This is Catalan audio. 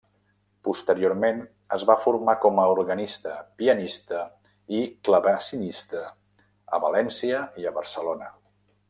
Posteriorment, es va formar com a organista, pianista i clavecinista a València i a Barcelona.